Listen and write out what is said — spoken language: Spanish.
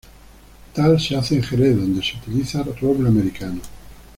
Tal se hace en Jerez, donde se utiliza roble americano.